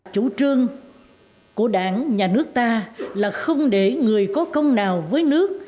chủ trương của đảng nhà nước ta là không để người có công nào với nước